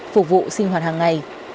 phục vụ sinh hoạt hàng ngày